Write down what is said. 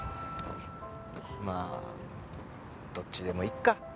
まあどっちでもいいか！